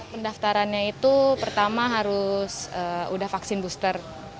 pendaftarannya itu pertama harus sudah vaksin booster